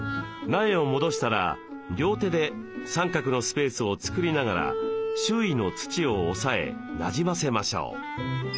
苗を戻したら両手で三角のスペースを作りながら周囲の土を押さえなじませましょう。